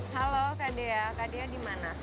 halo kak dea kak dea di mana